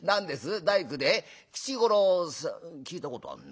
大工で吉五郎聞いたことあんな。